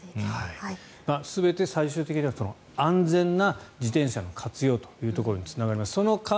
全て、最終的には安全な自転車の活用というところにつながります。